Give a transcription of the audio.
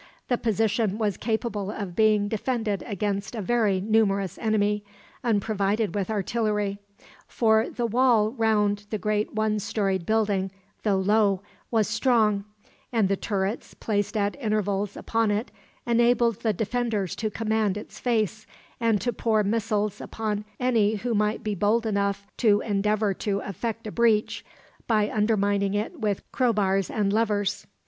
The position was capable of being defended against a very numerous enemy, unprovided with artillery; for the wall round the great one storied building, though low, was strong; and the turrets, placed at intervals upon it, enabled the defenders to command its face, and to pour missiles upon any who might be bold enough to endeavor to effect a breach, by undermining it with crowbars and levers.